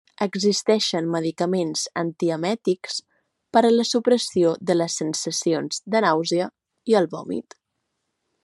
Existeixen medicaments antiemètics per a la supressió de les sensacions de nàusea i el vòmit.